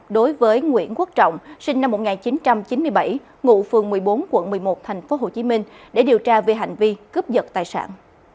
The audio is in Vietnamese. đối với nguyễn quốc trọng sinh năm một nghìn chín trăm chín mươi bảy ngụ phường một mươi bốn quận một mươi một tp hcm để điều tra về hành vi cướp giật tài sản